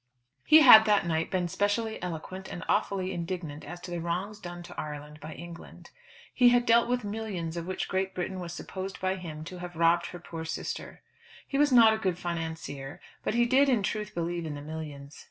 He had that night been specially eloquent and awfully indignant as to the wrongs done to Ireland by England. He had dealt with millions of which Great Britain was supposed by him to have robbed her poor sister. He was not a good financier, but he did in truth believe in the millions.